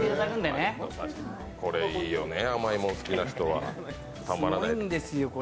これ、いいよね、甘いもん好きな人はたまらないです。